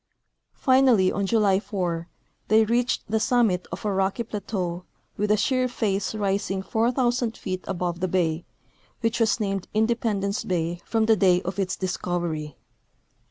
Finally, on July 4, they reached the summit of a rocky plateau with a sheer face rising 4,000 feet above the bay, which was named Independence bay from the day of its discovery.